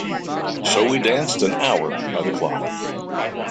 And so we danced an hour by the clock.